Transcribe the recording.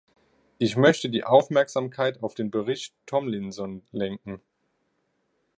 Ich möchte die Aufmerksamkeit auf den Bericht Tomlinson lenken.